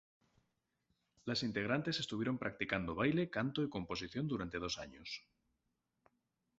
Las integrantes estuvieron practicando baile, canto y composición durante dos años.